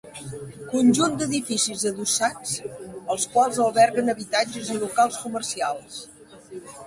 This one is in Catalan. Conjunt d'edificis adossats els quals alberguen habitatges i locals comercials.